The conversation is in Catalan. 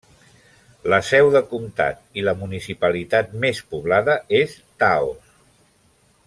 La seu de comtat i la municipalitat més poblada és Taos.